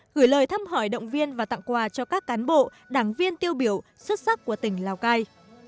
gửi lời thăm hỏi động viên và tặng quà cho các cán bộ đảng viên tiêu biểu xuất sắc của tỉnh lào cai